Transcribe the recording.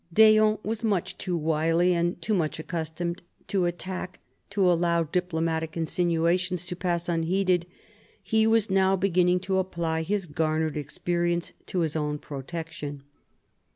D'Eon was much too wily and too much accustomed to attack to allow diplomatic insinuations to pass unheeded. He was now beginning to apply his garnered experience to his own protection.